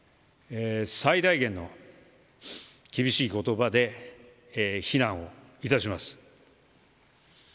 最大限の厳しい言葉で非難を致します。